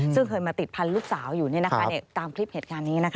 ซึ่งเคยมาติดพันธุ์ลูกสาวอยู่ตามคลิปเหตุการณ์นี้